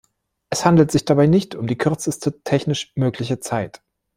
Es handelt sich dabei nicht um die kürzeste technisch mögliche Zeit.